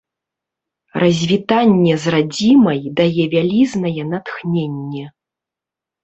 Развітанне з радзімай дае вялізнае натхненне.